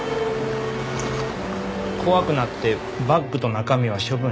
怖くなってバッグと中身は処分しました。